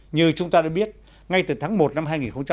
như chúng ta đã biết ngay từ tháng một năm hai nghìn hai mươi